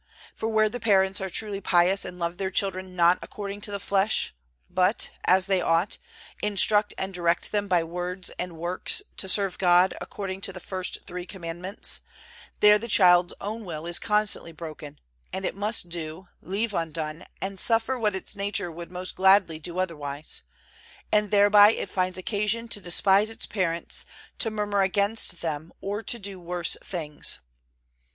For where the parents are truly pious and love their children not according to the flesh, but (as they ought) instruct and direct them by words and works to serve God according to the first three Commandments, there the child's own will is constantly broken, and it must do, leave undone, and suffer what its nature would most gladly do otherwise; and thereby it finds occasion to despise its parents, to murmur against them, or to do worse things.